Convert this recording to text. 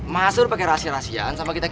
masur pake rahasia dua an sama kita dua